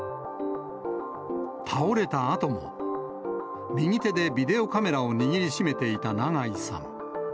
倒れたあとも、右手でビデオカメラを握りしめていた長井さん。